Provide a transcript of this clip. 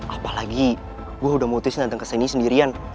apalagi gue udah mau tes nanteng kesini sendirian